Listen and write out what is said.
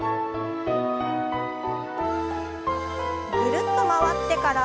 ぐるっと回ってから。